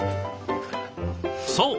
そう！